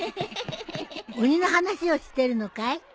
鬼の話をしてるのかい？